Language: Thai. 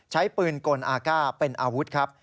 ใช้ปืนกลอาก้าเป็นอาวุธครับ